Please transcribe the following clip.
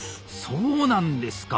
そうなんですか。